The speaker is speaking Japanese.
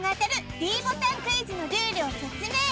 ｄボタンクイズのルールを説明